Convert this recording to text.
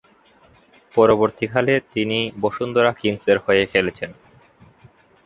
পরবর্তীকালে, তিনি বসুন্ধরা কিংসের হয়ে খেলেছেন।